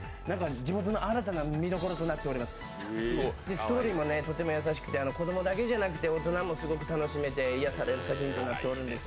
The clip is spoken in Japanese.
ストーリーもとてもやさしくて子供だけじゃなくて大人もすごく楽しめて癒やされる作品となっておるんです。